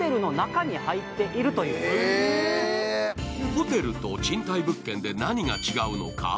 ホテルと賃貸物件で何が違うのか。